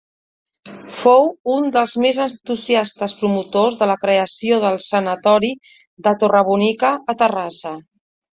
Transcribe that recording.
Fou un dels més entusiastes promotors de la creació del sanatori de Torrebonica a Terrassa.